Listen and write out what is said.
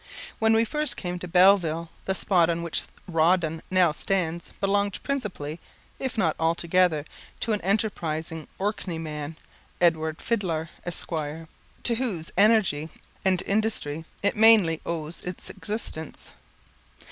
When we first came to Belleville, the spot on which Rawdon now stands belonged principally, if not altogether, to an enterprising Orkney man, Edward Fidlar, Esq., to whose energy and industry it mainly owes its existence.